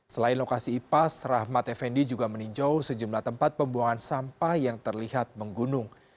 selain lokasi ipas rahmat effendi juga meninjau sejumlah tempat pembuangan sampah yang terlihat menggunung